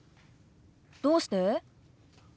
どうして？